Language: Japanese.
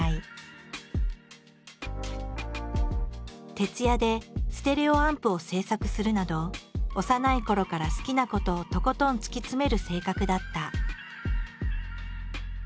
徹夜でステレオアンプを製作するなど幼いころから好きなことをとことん突き詰める性格だった。